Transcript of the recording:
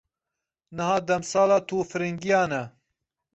Niha demsala tûfiringiyan e.